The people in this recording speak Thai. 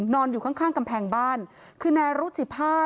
นอนอยู่ข้างกำแพงบ้านคือในรถสิบห้าด